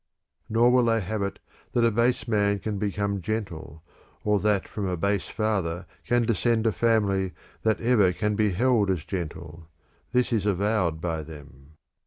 IV Nor will they have it that a base man can become gentle, nor that from a base father can descend a family that ever can be held as gentle : this is avowed by them.